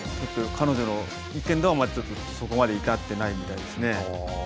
彼女の意見ではまだちょっとそこまで至ってないみたいですね。